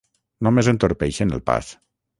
Només entorpeixen el pas.